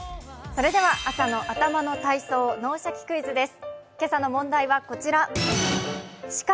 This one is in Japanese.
朝の頭の体操、「脳シャキ！クイズ」です。